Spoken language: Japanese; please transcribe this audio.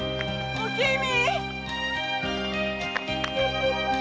おきみ！